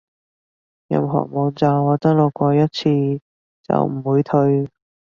任何網站我登錄過一次就唔會退